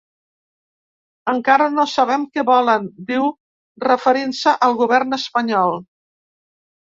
Encara no sabem què volen, diu referint-se al govern espanyol.